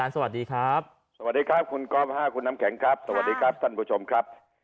สวัสดีครับสวัสดีครับคุณก๊อฟค่ะคุณน้ำแข็งครับสวัสดีครับท่านผู้ชมครับ